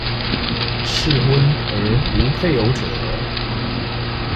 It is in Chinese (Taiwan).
適婚而無配偶者